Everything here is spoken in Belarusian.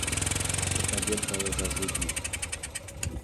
На табе твае зазубні.